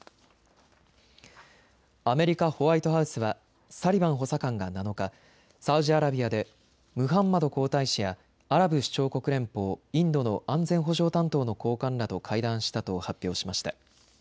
アメリカ、ホワイトハウスはサリバン補佐官が７日、サウジアラビアでムハンマド皇太子やアラブ首長国連邦、インドの安全保障担当の高官らと会談したと発表しました。